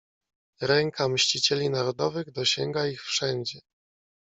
"Ręka mścicieli narodowych dosięga ich wszędzie."